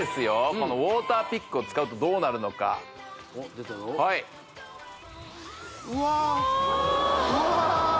このウォーターピックを使うとどうなるのかおっ出たぞはいうわっおおうわ